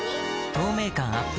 透明感アップ